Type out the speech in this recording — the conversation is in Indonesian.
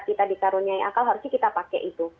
kita dikaruniai akal harusnya kita pakai itu